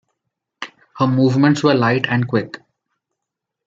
Her movements were light and quick.